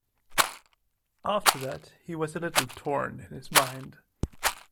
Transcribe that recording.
After that he was a little torn in his mind.